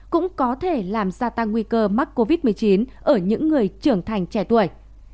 cũng có thể làm gia tăng nguy cơ mắc covid một mươi chín ở những người trưởng thành trẻ tuổi